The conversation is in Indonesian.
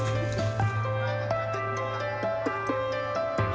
sehingga dia bisa berpengalaman